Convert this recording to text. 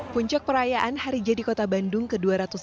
puncak perayaan hari jadi kota bandung ke dua ratus dua puluh